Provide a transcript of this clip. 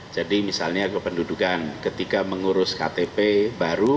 jadi misalnya kependudukan ketika mengurus ktp baru